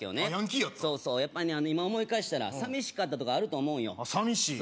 そうそうやっぱりね今思い返したら寂しかったとかあると思うんよ寂しい？